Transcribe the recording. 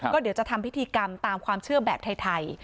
ก็เดี๋ยวจะทำพิธีกรรมตามความเชื่อแบบไทย